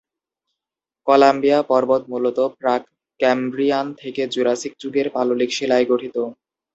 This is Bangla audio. কলাম্বিয়া পর্বত মূলত প্রাক-ক্যাম্ব্রিয়ান থেকে জুরাসিক যুগের পাললিক শিলায় গঠিত।